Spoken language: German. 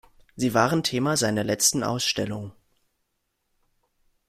Sie waren Thema seiner letzten Ausstellung.